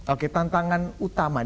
oke tantangan utama